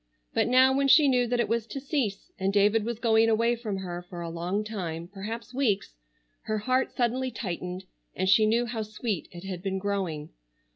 But now when she knew that it was to cease, and David was going away from her for a long time, perhaps weeks, her heart suddenly tightened and she knew how sweet it had been growing.